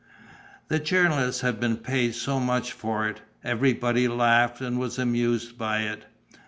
The journalist had been paid so much for it; everybody laughed and was amused by it.